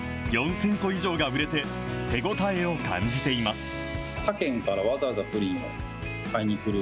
４０００個以上が売れて、手応えを感じています。